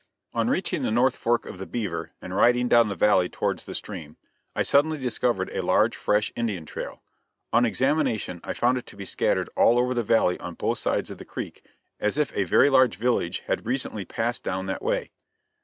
On reaching the north fork of the Beaver and riding down the valley towards the stream, I suddenly discovered a large fresh Indian trail. On examination I found it to be scattered all over the valley on both sides of the creek, as if a very large village had recently passed down that way.